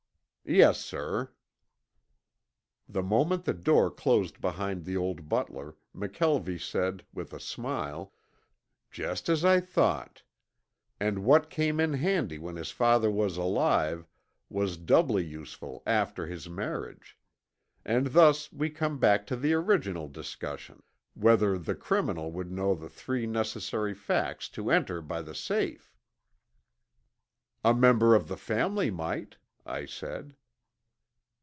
"Yes, sir." The moment the door closed behind the old butler McKelvie said, with a smile, "Just as I thought. And what came in handy when his father was alive was doubly useful after his marriage. And thus we come back to the original discussion, whether the criminal would know the three necessary facts to enter by the safe." "A member of the family might," I said.